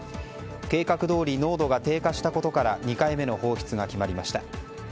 計画どおり濃度が低下したことから２回目の放出が決まりました。